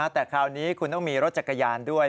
แต่คราวนี้คุณต้องมีรถจักรยานด้วย